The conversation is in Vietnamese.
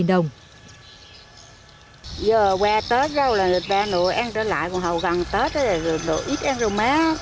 trong thời gian qua tết rau là người ta nuôi ăn trở lại còn hầu gần tết thì nuôi ít ăn rau má